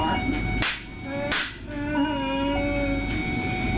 มั่นเดี๋ยว